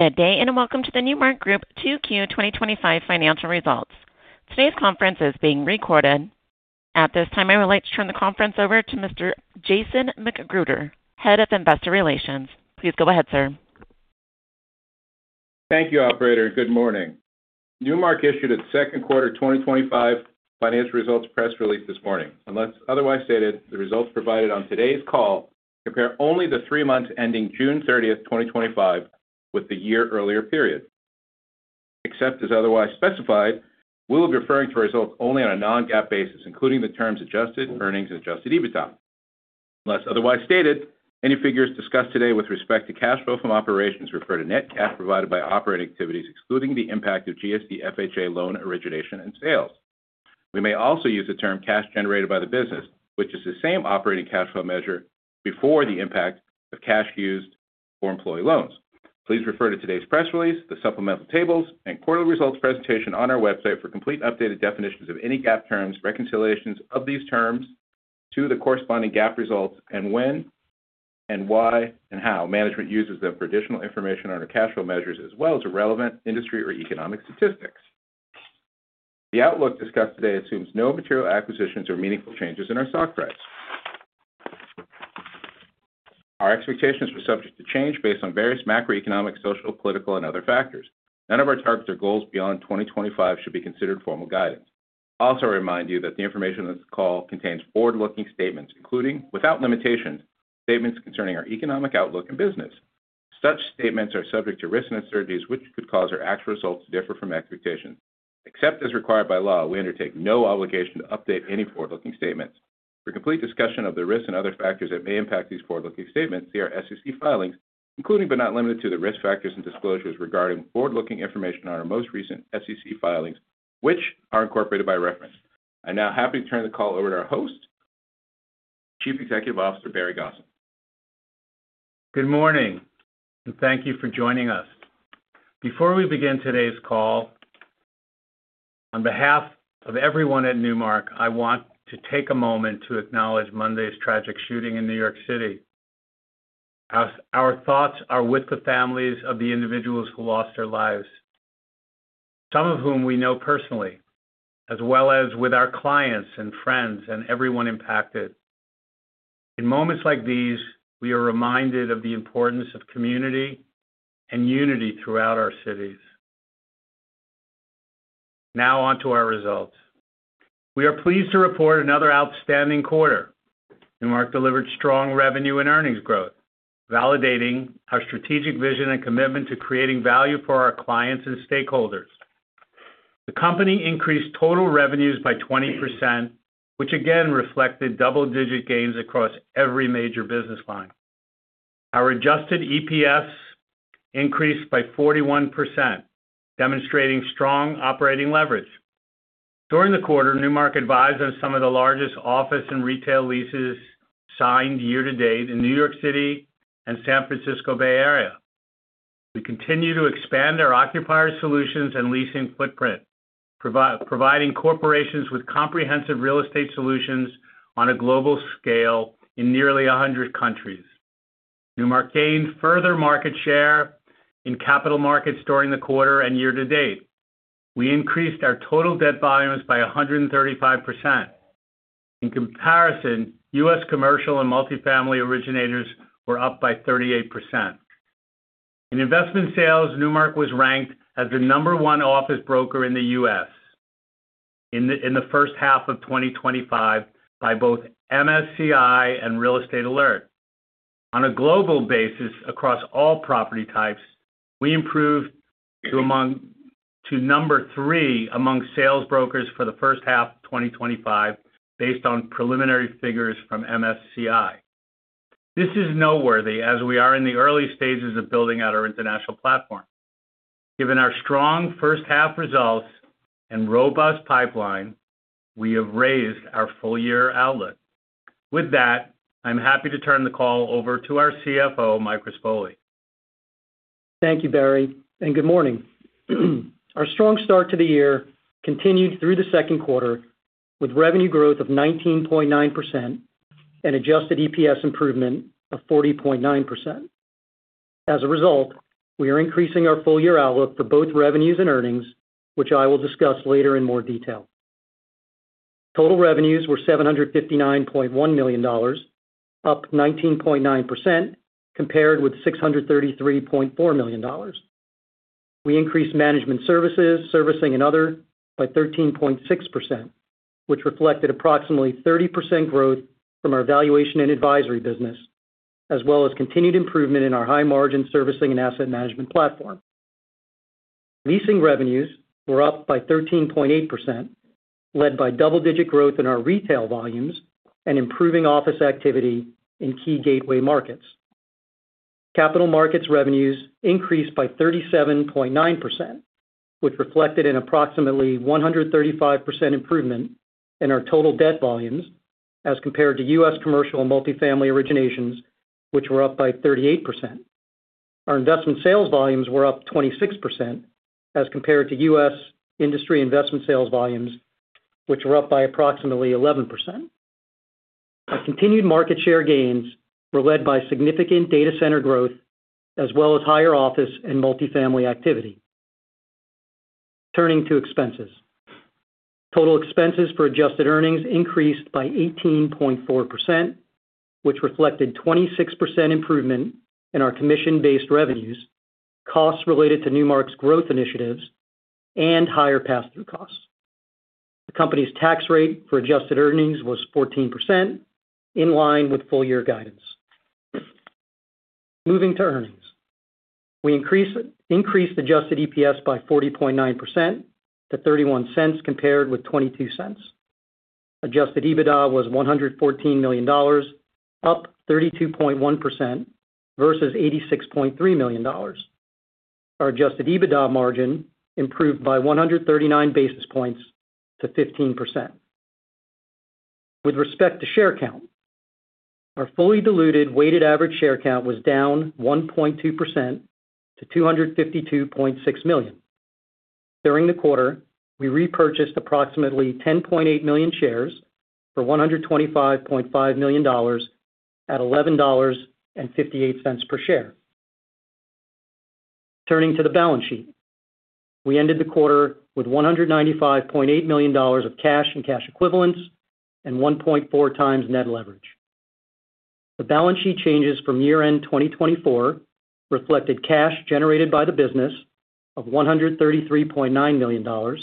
Good day and welcome to the Newmark Group Q2 2025 financial results. Today's conference is being recorded. At this time, I would like to turn the conference over to Mr. Jason McGruder, Head of Investor Relations. Please go ahead, sir. Thank you, Operator, and good morning. Newmark issued its second quarter 2025 financial results press release this morning. Unless otherwise stated, the results provided on today's call compare only the three months ending June 30, 2025, with the year-earlier period. Except as otherwise specified, we will be referring to results only on a non-GAAP basis, including the terms adjusted earnings and adjusted EBITDA unless otherwise stated. Any figures discussed today with respect to cash flow from operations refer to net cash provided by operating activities excluding the impact of GST, FHA loan origination and sales. We may also use the term cash generated by the business, which is the same operating cash flow measure before the impact of cash used for employee loans. Please refer to today's press release, the Supplemental Tables, and Quarterly Results presentation on our website for complete updated definitions of any GAAP terms, reconciliations of these terms to the corresponding GAAP results, and when, why, and how management uses them. For additional information on our cash flow measures as well as relevant industry or economic statistics, the outlook discussed today assumes no material acquisitions or meaningful changes in our stock price. Our expectations are subject to change based on various macroeconomic, social, political, and other factors. None of our targets or goals beyond 2025 should be considered formal guidance. I'll also remind you that the information on this call contains forward-looking statements including, without limitation, statements concerning our economic outlook and business. Such statements are subject to risks and uncertainties which could cause our actual results to differ from expectations. Except as required by law, we undertake no obligation to update any forward-looking statements. For complete discussion of the risks and other factors that may impact these forward-looking statements, see our SEC filings, including but not limited to the Risk Factors and disclosures regarding forward-looking information on our most recent SEC filings, which are incorporated by reference. I'm now happy to turn the call over to our host, Chief Executive Officer Barry Gosin. Good morning, and thank you for joining us. Before we begin today's call, on behalf of everyone at Newmark, I want to take a moment to acknowledge Monday's tragic shooting in New York City. Our thoughts are with the families of the individuals who lost their lives, some of whom we know personally, as well as with our clients and friends and everyone impacted. In moments like these, we are reminded of the importance of community and unity throughout our cities. Now onto our results. We are pleased to report another outstanding quarter. Newmark delivered strong revenue and earnings growth, validating our strategic vision and commitment to creating value for our clients and stakeholders. The company increased total revenues by 20%, which again reflected double-digit gains across every major business line. Our adjusted EPS increased by 41%, demonstrating strong operating leverage. During the quarter, Newmark advised on some of the largest office and retail leases signed year to date in New York City and San Francisco Bay Area. We continue to expand our occupier solutions and leasing footprint, providing corporations with comprehensive real estate solutions on a global scale in nearly 100 countries. Newmark gained further market share in Capital Markets during the quarter and year to date. We increased our total debt volumes by 135%. In comparison, U.S. commercial and multifamily originators were up by 38% in investment sales. Newmark was ranked as the number one office broker in the U.S. in the first half of 2025 by both MSCI and Real Estate Alert on a global basis across all property types. We improved to number three among sales brokers for the first half 2025 based on preliminary figures from MSCI. This is noteworthy as we are in the early stages of building out our international platform. Given our strong first half results and robust pipeline, we have raised our full year outlook. With that, I'm happy to turn the call over to our CFO, Mike Rispoli. Thank you Barry and good morning. Our strong start to the year continued through the second quarter with revenue growth of 19.9% and adjusted EPS improvement of 40.9%. As a result, we are increasing our full-year outlook for both revenues and earnings, which I will discuss later in more detail. Total revenues were $759.1 million, up 19.9% compared with $633.4 million. We increased Management Services servicing and other by 13.6%, which reflected approximately 30% growth from our Valuation & Advisory business as well as continued improvement in our high margin servicing and asset management platform. Leasing revenues were up by 13.8%, led by double-digit growth in our Retail volumes and improving office activity in key gateway markets. Capital Markets revenues increased by 37.9%, which reflected an approximately 135% improvement in our total debt volumes as compared to U.S. commercial and multifamily originations, which were up by 38%. Our investment sales volumes were up 26% as compared to U.S. industry investment sales volumes, which were up by approximately 11%. Our continued market share gains were led by significant data center growth as well as higher office and multifamily activity. Turning to expenses, total expenses for adjusted earnings increased by 18.4%, which reflected 26% improvement in our commission-based revenues, costs related to Newmark's growth initiatives, and higher pass-through costs. The company's tax rate for adjusted earnings was 14%, in line with full year guidance. Moving to earnings, we increased adjusted EPS by 40.9% to $0.31 compared with $0.22. Adjusted EBITDA was $114 million, up 32.1% versus $86.3 million. Our adjusted EBITDA margin improved by 139 basis points to 15%. With respect to share count, our fully diluted weighted average share count was down 1.2% to $252.6 million. During the quarter, we repurchased approximately $10.8 million shares for $125.5 million at $11.58 per share. Turning to the balance sheet, we ended the quarter with $195.8 million of cash and cash equivalents and 1.4 times net leverage. The balance sheet changes from year-end 2024 reflected cash generated by the business of $133.9 million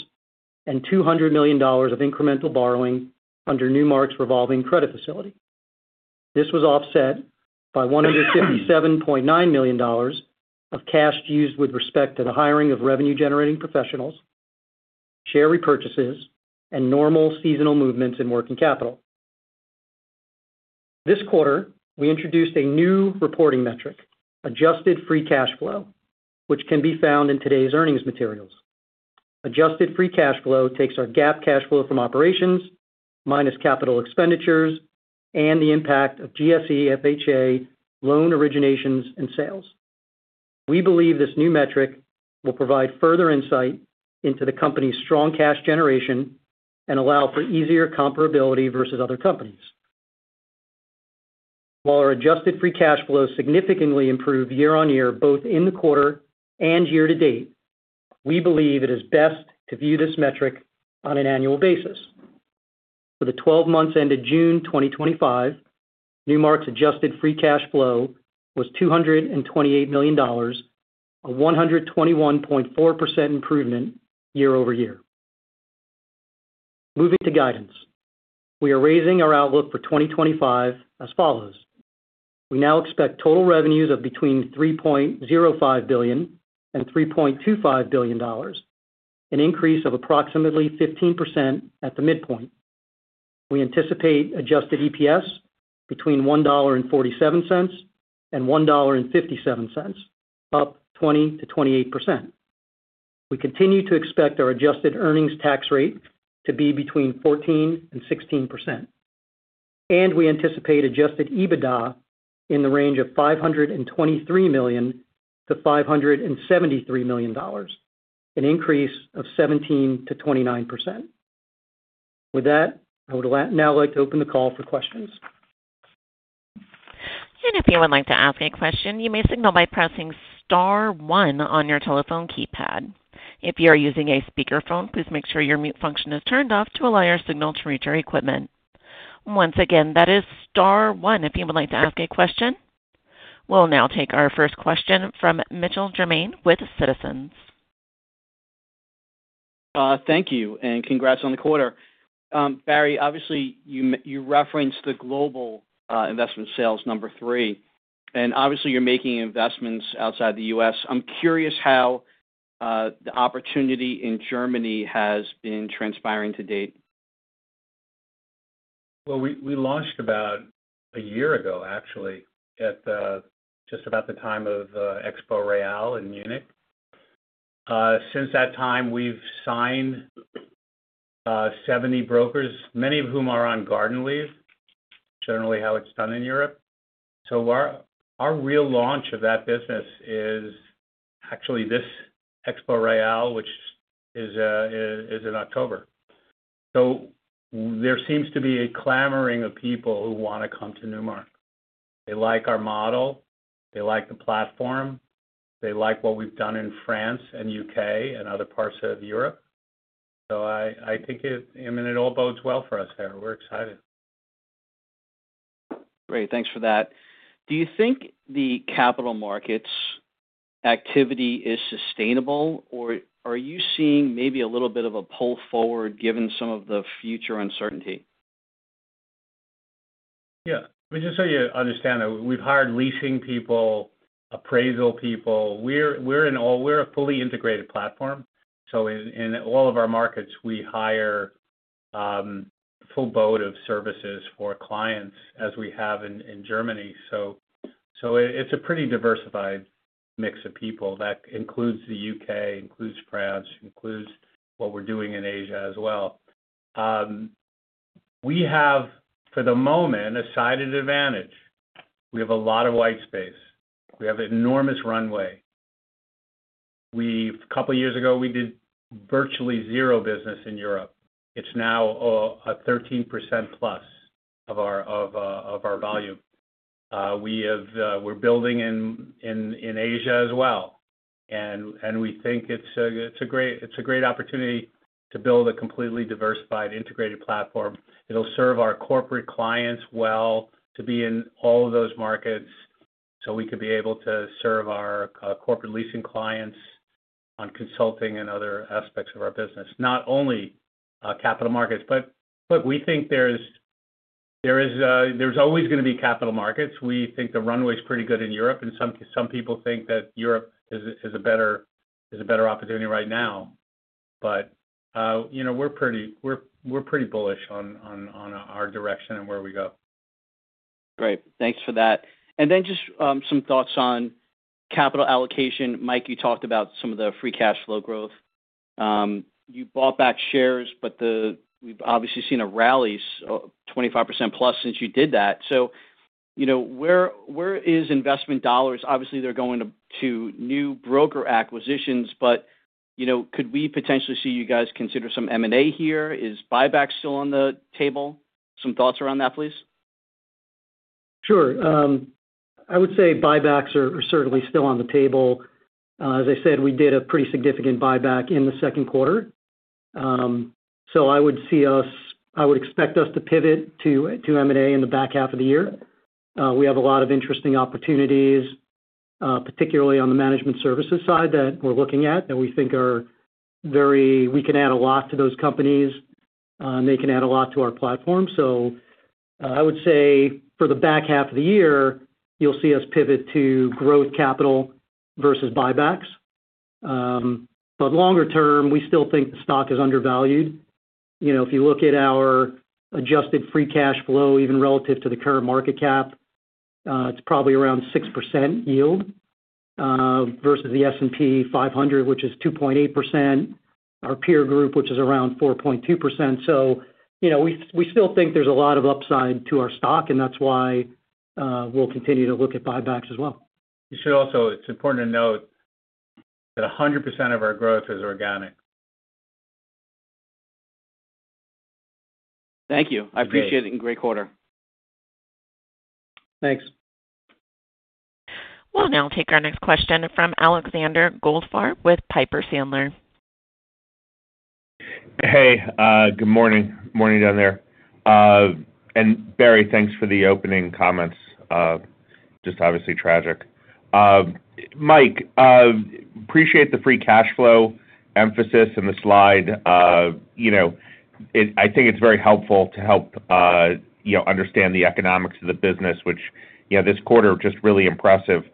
and $200 million of incremental borrowing under Newmark's revolving credit facility. This was offset by $157.9 million of cash used with respect to the hiring of revenue-generating professionals, share repurchases, and normal seasonal movements in working capital. This quarter we introduced a new reporting metric, Adjusted Free Cash Flow, which can be found in today's earnings materials. Adjusted Free Cash Flow takes our GAAP cash flow from operations minus capital expenditures and the impact of GSE, FHA loan originations and sales. We believe this new metric will provide further insight into the company's strong cash generation and allow for easier comparability versus other companies. While our Adjusted Free Cash Flow significantly improved year-on-year both in the quarter and year-to-date, we believe it is best to view this metric on an annual basis. For the 12 months ended June 2025, Newmark's Adjusted Free Cash Flow was $228 million, a 121.4% improvement year-over-year. Moving to guidance, we are raising our outlook for 2025 as follows. We now expect total revenues of between $3.05 billion and $3.25 billion, an increase of approximately 15%. At the midpoint, we anticipate adjusted EPS between $1.47 and $1.57, up 20% to 28%. We continue to expect our adjusted earnings tax rate to be between 14% and 16%. And we anticipate adjusted EBITDA in the range of $523 million to $573 million, an increase of 17% to 29%. With that, I would now like to open the call for questions. If you would like to ask a question, you may signal by pressing star one on your telephone keypad. If you are using a speakerphone, please make sure your mute function is turned off to allow your signal to reach your equipment. Once again, that is star one. If you would like to ask a question, we will now take our first question from Mitchell Germain with Citizens. Thank you and congrats on the quarter. Barry, obviously you referenced the global investment sales number three, and obviously you're making investments outside the U.S. I'm curious how the opportunity in Germany has been transpiring to date. We launched about a year ago actually at just about the time of Expo Real in Munich. Since that time we've signed 70 brokers, many of whom are on garden leave, generally how it's done in Europe. Our real launch of that business is actually this Expo Real, which is in October. There seems to be a clamoring of people who want to come to Newmark. They like our model, they like the platform, they like what we've done in France and U.K., and other parts of Europe. I think it all bodes well for us there. We're excited. Great, thanks for that. Do you think the Capital Markets activity is sustainable, or are you seeing maybe a little bit of a pull forward? Given some of the future uncertainty? Yeah. Just so you understand, we've hired Leasing people, appraisal people. We're a fully integrated platform. In all of our markets, we hire a full boat of services for clients as we have in Germany. It's a pretty diversified mix of people that includes the U.K., includes France, includes what we're doing in Asia as well. We have, for the moment, a cited advantage. We have a lot of white space, we have enormous runway. A couple years ago, we did virtually zero business in Europe. It's now a 13% plus of our volume. We're building in Asia as well. We think it's a great opportunity to build a completely diversified integrated platform. It'll serve our corporate clients well to be in all of those markets. We could be able to serve our corporate Leasing clients on consulting and other aspects of our business, not only Capital Markets. We think there's always going to be Capital Markets. We think the runway is pretty good in Europe and some people think that Europe is a better opportunity right now. We're pretty bullish on our direction and where we go. Great, thanks for that. Just some thoughts on capital allocation. Mike, you talked about some of the free cash flow growth. You bought back shares, but we've obviously seen a rally 25% plus since you did that. Where is investment dollars? Obviously they're going to new broker acquisitions. Could we potentially see you guys consider some M&A here? Is buyback still on the table? Some thoughts around that, please? Sure. I would say buybacks are certainly still on the table. As I said, we did a pretty significant buyback in the second quarter. I would expect us to pivot to M&A in the back half of the year. We have a lot of interesting opportunities, particularly on the Management Services side that we're looking at that we think are very. We can add a lot to those companies. They can add a lot to our platform. For the back half of the year, you'll see us pivot to growth capital versus buybacks. Longer term, we still think the stock is undervalued. If you look at our Adjusted Free Cash Flow, even relative to the current market cap, it's probably around 6% yield versus the S&P 500, which is 2.8%. Our peer group, which is around 4.2%. We still think there's a lot of upside to our stock and that's why we'll continue to look at buybacks as well. Also, it's important to note that 100% of our growth is organic. Thank you. I appreciate it. Great quarter. Thanks. We'll now take our next question from Alex Goldfarb with Piper Sandler. Hey, good morning. Morning down there. Barry, thanks for the opening comments. Just obviously tragic. Mike, appreciate the free cash flow emphasis in the slide. I think it's very helpful to help understand the economics of the business, which this quarter just really impressive.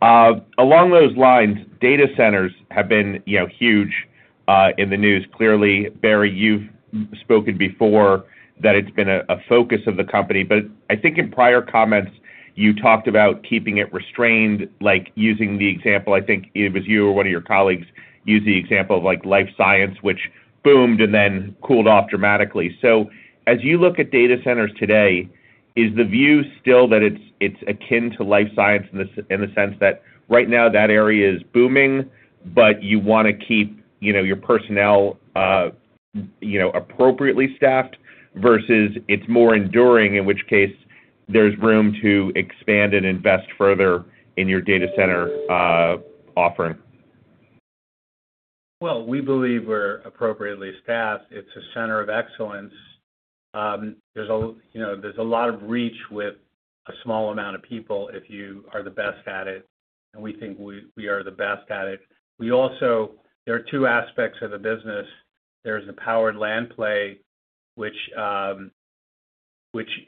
Along those lines, data centers have been huge in the news. Clearly, Barry, you've spoken before that it's been a focus of the company. I think in prior comments you talked about keeping it restrained, like using the example, I think it was you or one of your colleagues using the example of life science which boomed and then cooled off dramatically. So, as you look at data centers today, is the view still that it's akin to life science in the sense that right now that area is booming, but you want to keep your personnel appropriately staffed versus it's more enduring, in which case there's room to expand and invest further in your data center offering. We believe we're appropriately staffed. It's a center of excellence. There's a lot of reach with a small amount of people. If you are the best at it, and we think we are the best at it. There are two aspects of the business. There's a powered land play, which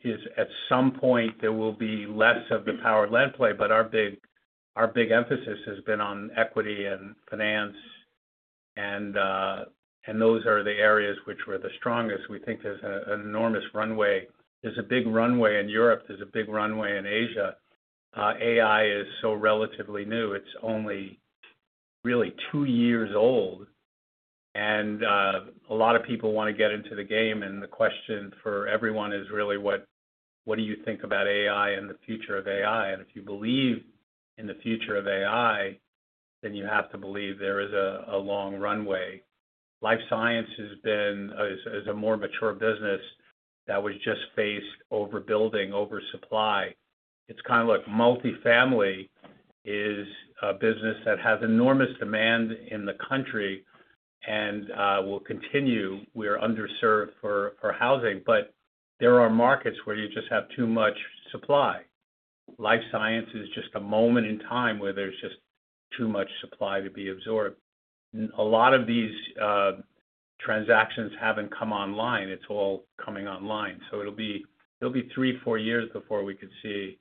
is at some point there will be less of the powered land play. Our big emphasis has been on equity and finance, and those are the areas which we're the strongest. We think there's an enormous runway. There's a big runway in Europe, there's a big runway in Asia. AI is so relatively new, it's only really two years old. A lot of people want to get into the game. The question for everyone is really, what do you think about AI and the future of AI? If you believe in the future of AI, then you have to believe there is a long runway. Life Science is a more mature business that was just faced with overbuilding, oversupply. It's kind of like multifamily, which is a business that has enormous demand in the country and will continue. We are underserved for housing, but there are markets where you just have too much supply. Life Science is just a moment in time where there's just too much supply to be absorbed. A lot of these transactions haven't come online. It's all coming online. It will be three, four years before we could see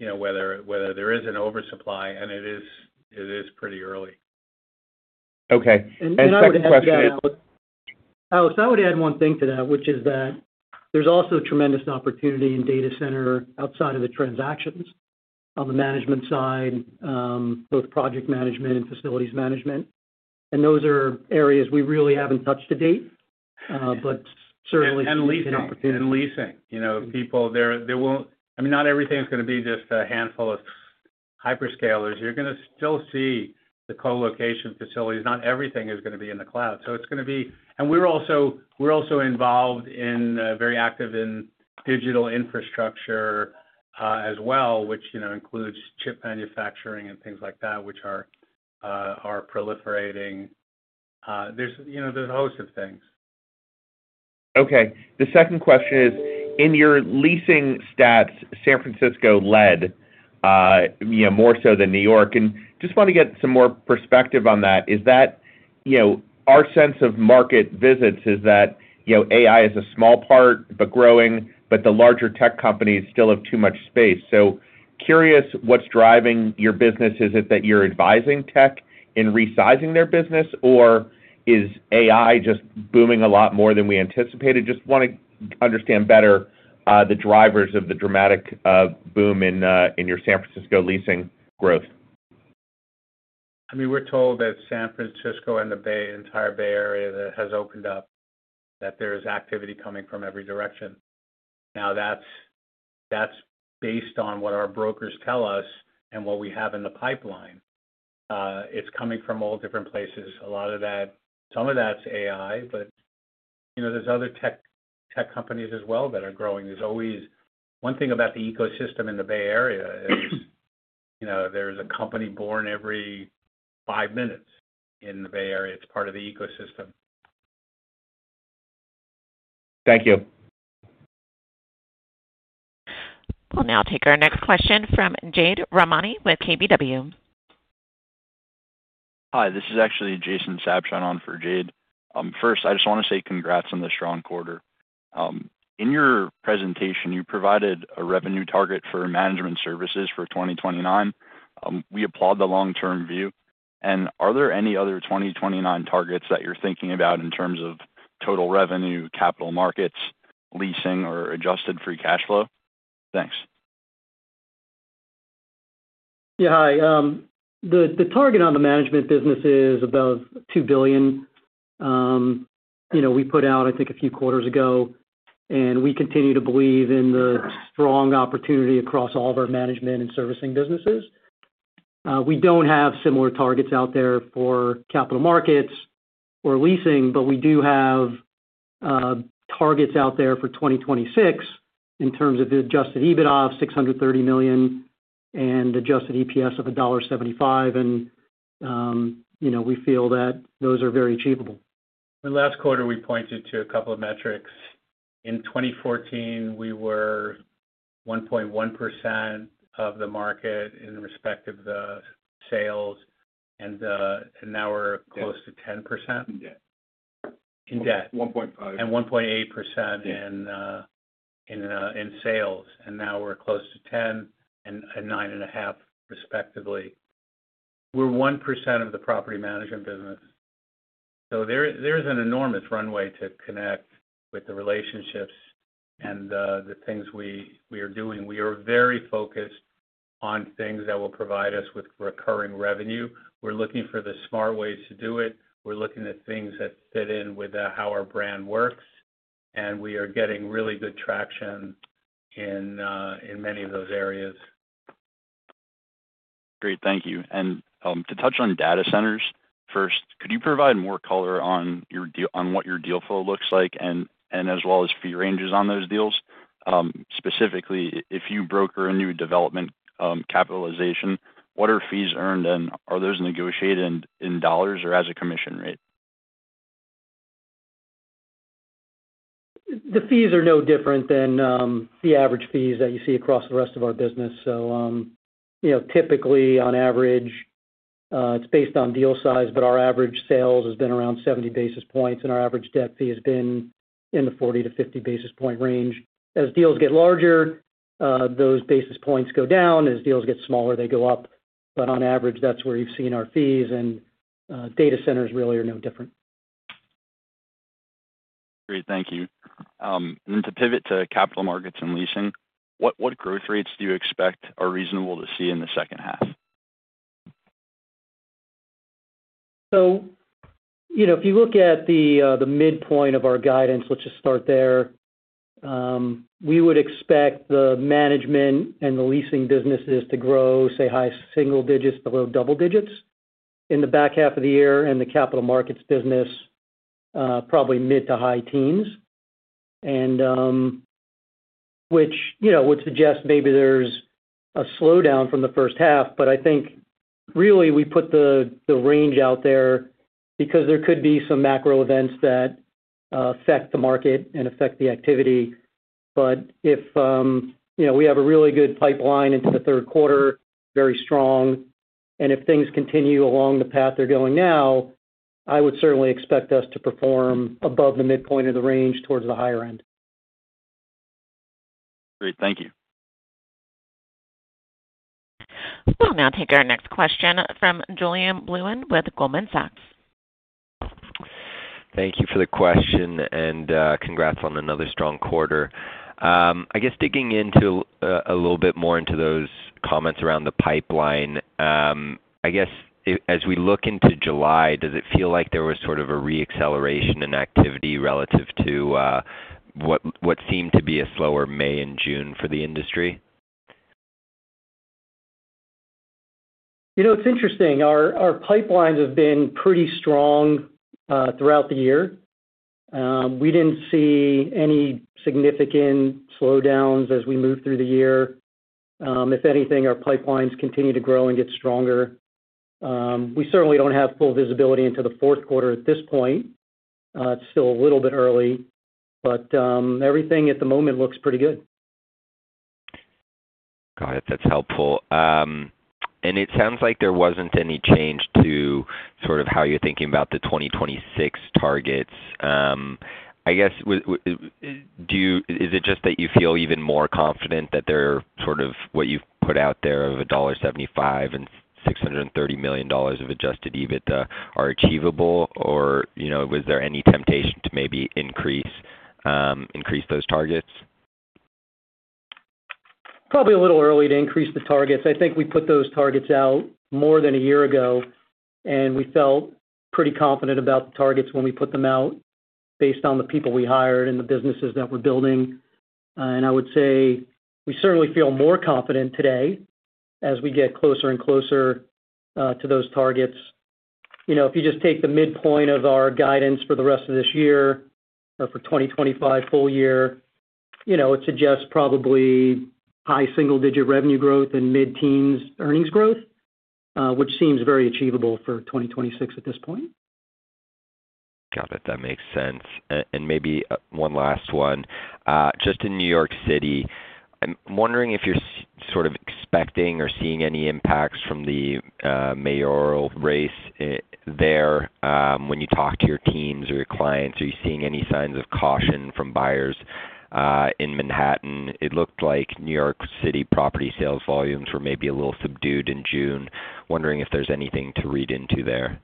whether there is an oversupply, and it is pretty early. Okay. Alex, I would add one thing to that, which is that there's also tremendous opportunity in data centers outside of the transactions on the management side, both project management and facilities management, and those are areas we really haven't touched to date. Certainly. Leasing, you know, people there won't. I mean, not everything is going to be just a handful of hyperscalers. You're going to still see the colocation facilities. Not everything is going to be in the cloud. We are also involved in, very active in digital infrastructure as well, which includes chip manufacturing and things like that, which are proliferating. There's a host of things. Okay, the second question is in your leasing stats, San Francisco led more so than New York, and just want to get some more perspective on that. Is that our sense of market visits is that AI is a small part but growing, but the larger tech companies. Still have too much space. Curious what's driving your business? Is it that you're advising tech in resizing their business, or is AI just booming a lot more than we anticipated? I just want to understand better the drivers of the dramatic boom in your San Francisco leasing growth. We're told that San Francisco and the entire Bay Area has opened up, that there is activity coming from every direction. That's based on what our brokers tell us and what we have in the pipeline. It's coming from all different places. Some of that's AI, but there's other tech companies as well that are growing. One thing about the ecosystem in the Bay Area is there's a company born every five minutes in the Bay Area. It's part of the ecosystem. Thank you. We'll now take our next question from Jade Rahmani with KBW. Hi, this is actually Jason Sapshon on for Jade. First, I just want to say congrats on the strong quarter. In your presentation, you provided a revenue target for Management Services for 2029. We applaud the long-term view. Are there any other 2029 targets that you're thinking about in terms of total revenue, Capital Markets, Leasing, or Adjusted Free Cash Flow? Thanks. Yeah. Hi. The target on the management business is above $2 billion. You know, we put out, I think a few quarters ago, and we continue to believe in the strong opportunity across all of our management and servicing businesses. We don't have similar targets out there for Capital Markets or Leasing, but we do have targets out there for 2026 in terms of the adjusted EBITDA of $630 million and adjusted EPS of $1.75. You know, we feel that those are very achievable. Last quarter we pointed to a couple of metrics. In 2014, we were 1.1% of the market in respect of the sales. Now we're close to 10% in debt, 1.5% and 1.8% in sales. Now we're close to 10% and 9.5% respectively. We're 1% of the property management business. There is an enormous runway to connect with the relationships and the things we are doing. We are very focused on things that will provide us with recurring revenue. We're looking for the smart ways to do it. We're looking at things that fit in with how our brand works. We are getting really good traction in many of those areas. Great, thank you. To touch on data centers, first, could you provide more color on your deal flow, as well as fee ranges on those deals? Specifically, if you broker a new development capitalization, what are fees earned, and are those negotiated in dollars or as a commission rate? The fees are no different than the average fees that you see across the rest of our business. Typically, on average, it's based on deal size, but our average sales has been around 70 basis points and our average debt fee has been in the 40 to 50 basis point range. As deals get larger, those basis points go down. As deals get smaller, they go up. On average, that's where you've seen our fees, and data centers really are no different. Great, thank you. To pivot to Capital Markets and Leasing, what growth rates do you expect are reasonable to see in the second half? If you look at the midpoint of our guidance, let's just start there. We would expect the Management Services and the Leasing businesses to grow, say high-single digits to low-double digits in the back half of the year, and the Capital Markets business probably mid-to-high teens, which would suggest maybe there's a slowdown from the first half. I think really we put the range out there because there could be some macro events that affect the market and affect the activity. If we have a really good pipeline into the third quarter, very strong, and if things continue along the path they're going now, I would certainly expect us to perform above the midpoint of the range towards the higher end. Great, thank you. We'll now take our next question from Julien Blouin with Goldman Sachs. Thank you for the question and congrats on another strong quarter. I guess, digging a little bit more into those comments around the pipeline, I guess, as we look into July, does it feel like there was sort of a re-acceleration in activity relative to what seemed to be a slower May and June for the industry? You know, it's interesting. Our pipelines have been pretty strong throughout the year. We didn't see any significant slowdowns as we move through the year. If anything, our pipelines continue to grow and get stronger. We certainly don't have full visibility into the fourth quarter at this point. It's still a little bit early, but everything at the moment looks pretty good. Got it. That's helpful. It sounds like there wasn't any change to how you're thinking about the 2026 targets, I guess. Is it just that you feel even more confident that what you put out there of $1.75 and $630 million of adjusted EBITDA are achievable, or was there any temptation to maybe increase those targets? Probably a little early to increase the targets. I think we put those targets out more than a year ago, and we felt pretty confident about the targets when we put them out based on the people we hired and the businesses that we're building. I would say we certainly feel more confident today as we get closer and closer to those targets. If you just take the midpoint of our guidance for the rest of this year, for 2025 full year, it suggests probably high-single digit revenue growth and mid-teens earnings growth, which seems very achievable for 2026 at this point. Got it. That makes sense. Maybe one last one just in New York City, I'm wondering if you're sort of expecting or seeing any impacts from the mayoral race there. When you talk to your teams or your clients, are you seeing any signs of caution in Manhattan? It looked like New York City property sales volumes were maybe a little subdued in June. Wondering if there's anything to read into there.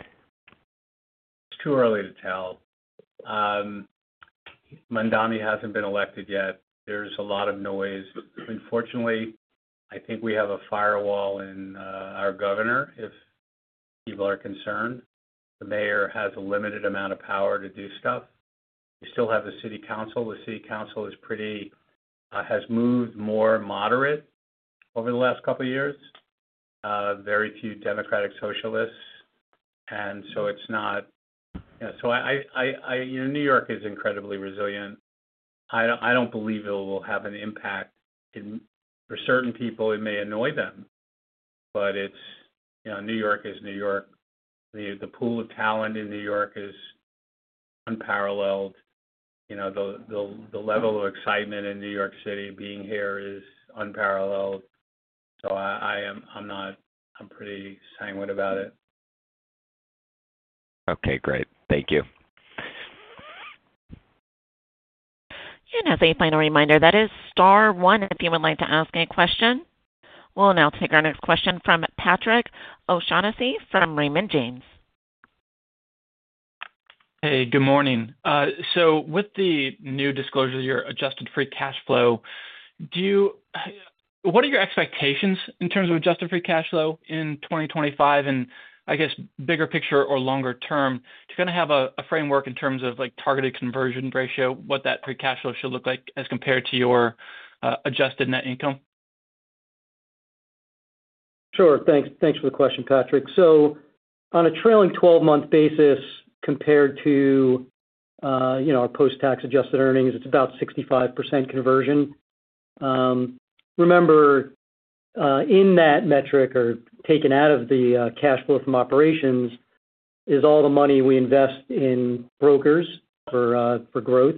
It's too early to tell. Mamdami hasn't been elected yet. There's a lot of noise, unfortunately. I think we have a firewall in our governor. If people are concerned, the mayor has a limited amount of power to do stuff. You still have the City Council. The City Council has moved more moderate over the last couple years. Very few Democratic Socialists. It's not so, you know, New York is incredibly resilient. I don't believe it will have an impact for certain people. It may annoy them, but New York is New York. The pool of talent in New York is unparalleled. The level of excitement in New York City being here is unparalleled. I'm pretty sanguine about it. Okay, great. Thank you. As a final reminder, that is star one if you would like to ask a question. Now take our next question from Patrick O'Shaughnessy from Raymond James. Hey, good morning. With the new disclosure, your adjusted free cash flow, what are your expectations in terms of adjusted free cash flow in 2025 and I guess bigger picture or longer term to kind of have a framework in terms of targeted conversion ratio, what that free cash flow should look like as compared to your adjusted net income? Sure. Thanks for the question, Patrick. On a trailing twelve month basis compared to our post-tax adjusted earnings, it's about 65% conversion. Remember, in that metric, or taken out of the cash flow from operations is all the money we invest in brokers for growth.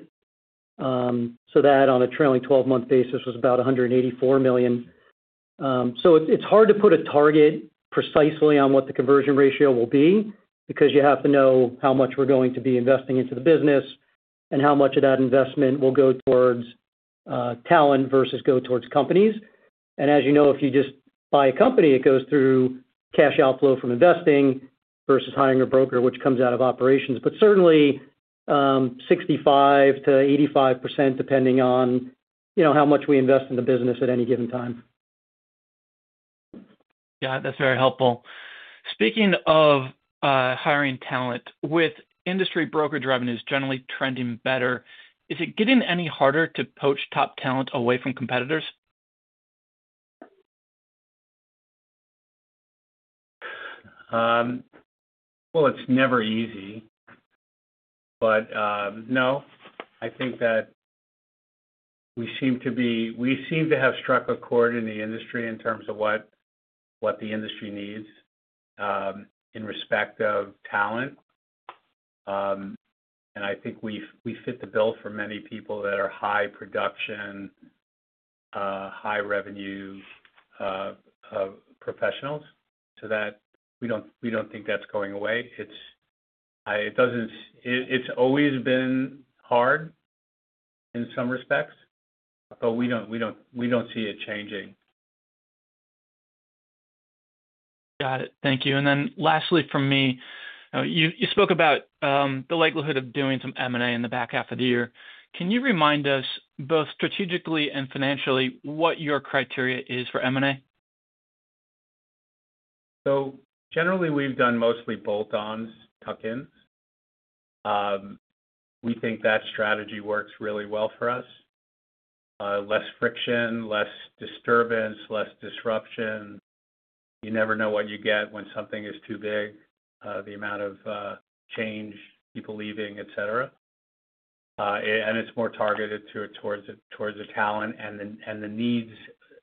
That on a trailing 12 month basis was about $184 million. It's hard to put a target precisely on what the conversion ratio will be because you have to know how much we're going to be investing into the business and how much of that investment will go towards talent versus go towards companies. As you know, if you just buy a company, it goes through cash outflow from investing versus hiring a broker which comes out of operations, but certainly 65% to 85% depending on how much we invest in the business at any given time. Yeah, that's very helpful. Speaking of hiring talent, with industry brokerage revenues generally trending better, is it getting any harder to poach top talent away from competitors? I think that we seem to be, we seem to have struck a chord in the industry in terms of what the industry needs in respect of talent. I think we fit the bill for many people that are high production, high revenue professionals. We don't think that's going away. It's always been hard in some respects, but we don't see it changing. Got it, thank you. Lastly from me, you spoke about the likelihood of doing some M&A in the back half of the year. Can you remind us both strategically and financially what your criteria is for M&A? Generally we've done mostly bolt-ons, tuck-ins. We think that strategy works really well for us: less friction, less disturbance, less disruption. You never know what you get when something is too big, the amount of change, people leaving, et cetera. It is more targeted towards the talent and the needs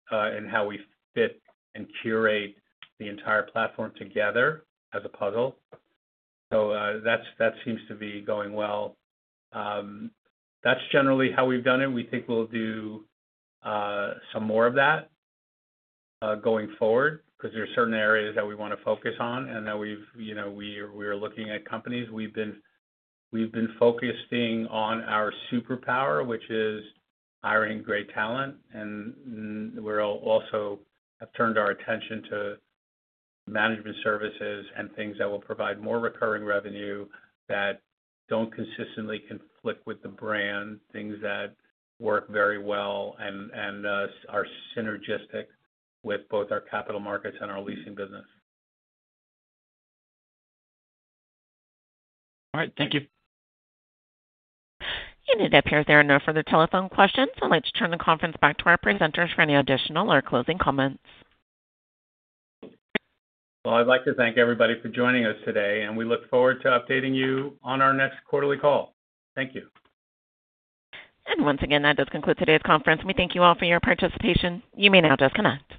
and how we fit and curate the entire platform together as a puzzle. That seems to be going well. That's generally how we've done it. We think we'll do some more of that going forward because there are certain areas that we want to focus on and that we are looking at companies. We've been focusing on our superpower, which is hiring great talent. We also have turned our attention to Management Services and things that will provide more recurring revenue that don't consistently conflict with the brand, things that work very well and are synergistic with both our Capital Markets and our Leasing business. All right. Thank you. There are no further telephone questions. I'd like to turn the conference back to our presenters for any additional or closing comments. I’d like to thank everybody for joining us today, and we look forward to updating you on our next quarterly call. Thank you. That does conclude today's conference. We thank you all for your participation. You may now disconnect.